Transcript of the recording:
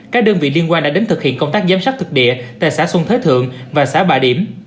các đơn vị liên quan đã đến thực hiện công tác giám sát thực địa tại xã xuân thới thượng và xã bà điểm